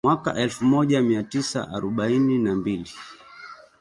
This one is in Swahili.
Mwaka elfu moja mia tisa arobaini na mbili